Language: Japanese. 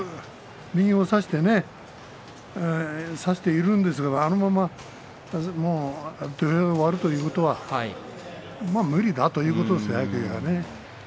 右を差してね差しているんですがあのまま土俵を割るということはもう無理だということですね。